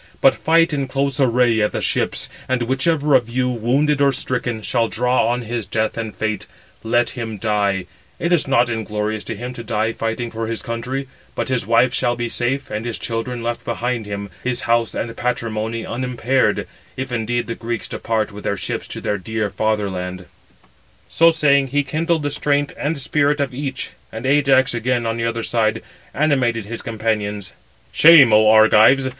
But fight in close array at the ships, and whichever of you, wounded or stricken, shall draw on his death and fate, let him die; it is not inglorious to him to die fighting for his country; but his wife shall be safe, and his children left behind him, his house and patrimony unimpaired, if indeed the Greeks depart with their ships to their dear father land." So saying, he kindled the strength and spirit of each: and Ajax again, on the other side, animated his companions: "Shame, oh Argives!